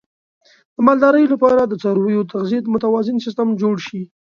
د مالدارۍ لپاره د څارویو د تغذیې متوازن سیستم جوړ شي.